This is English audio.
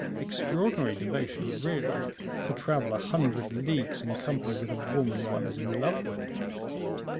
Extraordinary devotion, really, to travel a hundred leagues in company with a woman one is in love with!"